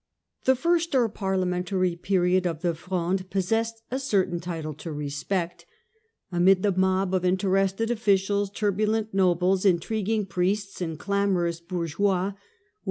The first, or Parliamentary, period of the Fronde pos sessed a certain title to respect. Amid the mob of Character of interested officials, turbulent nobles, intri mentary la "£ u i n & priests, and clamorous bourgeois , were Fronde.